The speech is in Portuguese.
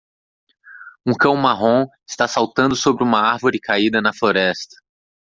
Um cão marrom está saltando sobre uma árvore caída na floresta.